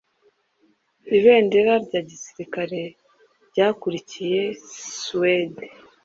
Ibendera rya gisirikare ryakurikiye Suwede